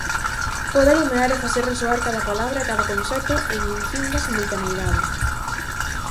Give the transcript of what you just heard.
Pode alumear e facer resoar cada palabra e cada concepto en infinda simultaneidade.